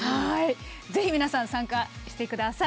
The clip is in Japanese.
ぜひ皆さん参加してください。